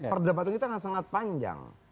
perdebatan kita akan sangat panjang